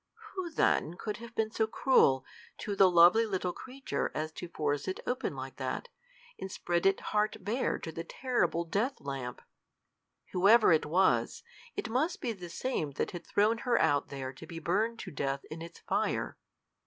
Who, then, could have been so cruel to the lovely little creature as to force it open like that, and spread it heart bare to the terrible death lamp? Whoever it was, it must be the same that had thrown her out there to be burned to death in its fire!